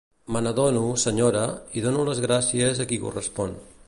Me n'adono, senyora, i dono les gràcies a qui correspon.